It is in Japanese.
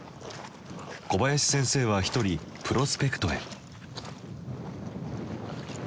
小林先生は一人プロスペクトへ。